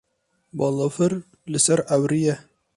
Balafir li ser ewrî ye.